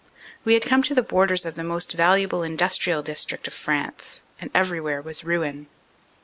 We had come to the borders of the most valuable industrial dis trict of France, and everywhere was ruin.